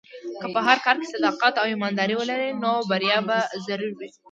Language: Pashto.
که په هر کار کې صداقت او ایمانداري ولرې، نو بریا به ضرور وي.